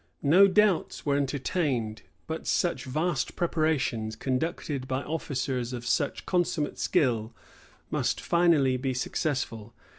No doubts were entertained but such vast preparations, conducted by officers of such consummate skill, must finally be successful.